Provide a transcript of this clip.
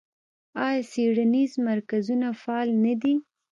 آیا څیړنیز مرکزونه فعال نه دي؟